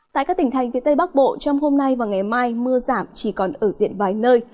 tại các tỉnh thành phía tây bắc bộ trong hôm nay và ngày mai mưa giảm chỉ còn ở diện vài nơi